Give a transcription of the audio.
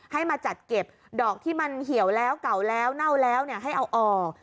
ให้มาจัดเก็บดอกที่มันเหี่ยวแล้วเก่าแล้วเน่าแล้วให้เอาออก